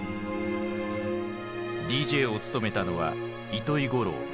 ＤＪを務めたのは糸居五郎。